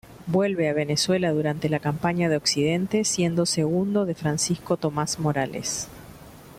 Vuelve a Venezuela durante la Campaña de Occidente, siendo segundo de Francisco Tomás Morales.